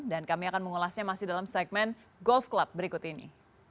dan kami akan mengulasnya masih dalam segmen golf club berikut ini